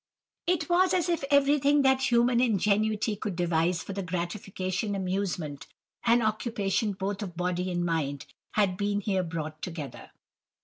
"It was as if everything that human ingenuity could devise for the gratification, amusement, and occupation both of body and mind had been here brought together.